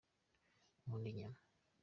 nkunda inyama